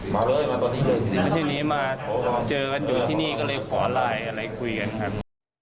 มาเลยมาตอนที่นี้มาเจอกันอยู่ที่นี่ก็เลยขอไลน์อะไรคุยกันครับ